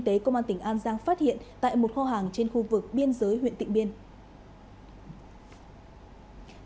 trích cục hải quan tỉnh an giang đã khởi tốt vụ án về tội buôn lậu và vụ án sau đó được chuyển đến cơ quan cảnh sát điều tra công an tỉnh an giang điều tra theo thẩm quyền